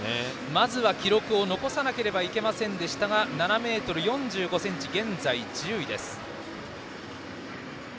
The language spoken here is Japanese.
まずは記録を残さなければいけませんでしたが７ｍ４５ｃｍで現在１０位の山川。